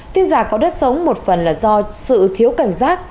tin giả có đất sống một phần là do sự thiếu cảnh giác